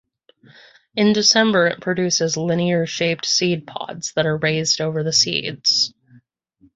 In December it produces linear shaped seed pods that are raised over the seeds.